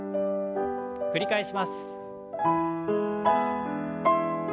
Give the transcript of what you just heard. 繰り返します。